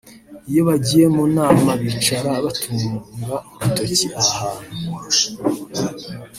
iyo bagiye mu nama bicara batunga urutoki aha hantu